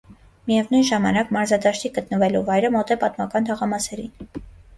Միևնույն ժամանակ, մարզադաշտի գտնվելու վայրը, մոտ է պատմական թաղամասերին։